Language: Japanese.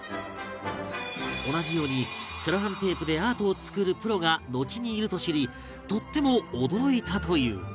同じようにセロハンテープでアートを作るプロがのちにいると知りとっても驚いたという